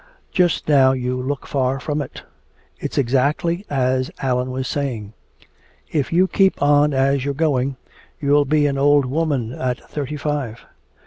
Just now you look far from it! It's exactly as Allan was saying! If you keep on as you're going you'll be an old woman at thirty five!"